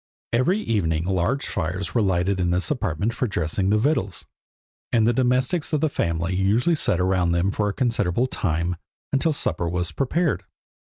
Every evening large fires were lighted in this apartment for dressing the victuals; and the domestics of the family usually sat around them for a considerable time, until supper was prepared.